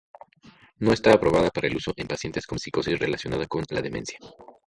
No está aprobada para el uso en pacientes con psicosis relacionada con la demencia.